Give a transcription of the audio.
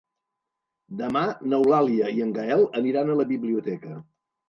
Demà n'Eulàlia i en Gaël aniran a la biblioteca.